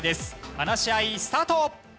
話し合いスタート！